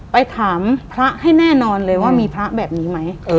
ไปถามพระให้แน่นอนเลยว่ามีพระแบบนี้ไหม